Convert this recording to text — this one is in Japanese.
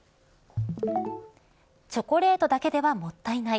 チョコレートだけではもったいない。